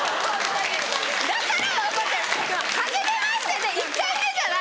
だからはじめましてで１回目じゃない！